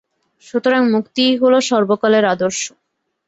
সুতরাং মুক্তিই হল সর্বকালের আদর্শ।